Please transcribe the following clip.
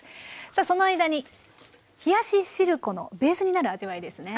さあその間に冷やししるこのベースになる味わいですね。